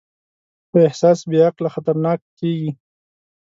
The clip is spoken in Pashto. خو احساس بېعقله خطرناک کېږي.